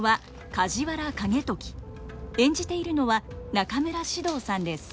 演じているのは中村獅童さんです。